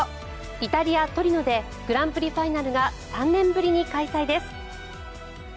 イタリア・トリノでグランプリファイナルが３年ぶりに開催です。